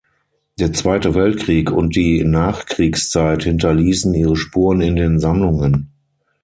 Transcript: Der Zweite Weltkrieg und die Nachkriegszeit hinterließen ihre Spuren in den Sammlungen.